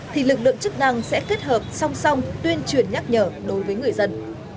thì lực lượng chức năng sẽ kết hợp song song tuyên truyền nhắc nhở đối với người dân